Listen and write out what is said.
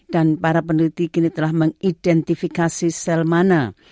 dan para peneliti kini telah mengidentifikasi sel mana